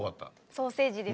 ソーセージですからね。